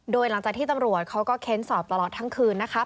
โดยหลังจากที่ตำรวจเขาก็เค้นสอบตลอดทั้งคืนนะคะ